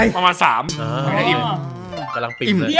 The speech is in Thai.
ประมาณ๓